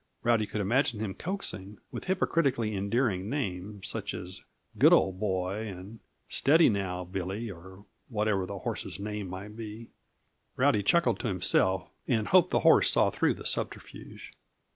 Rowdy could imagine him coaxing, with hypocritically endearing names, such as "Good old boy!" and "Steady now, Billy" or whatever the horse's name might be. Rowdy chuckled to himself, and hoped the horse saw through the subterfuge.